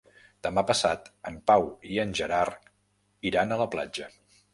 Demà passat en Pau i en Gerard iran a la platja.